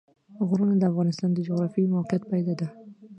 غرونه د افغانستان د جغرافیایي موقیعت پایله ده.